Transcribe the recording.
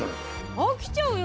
飽きちゃうよ